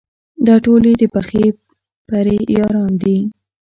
دا ټول یې د پخې پرې یاران دي.